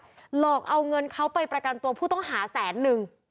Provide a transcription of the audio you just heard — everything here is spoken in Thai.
หลอกเอาเงินเขาไปประกันตัวผู้ต้องหาแสนนึง